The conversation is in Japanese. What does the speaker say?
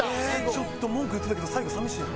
ちょっと文句言ってたけど最後寂しいな。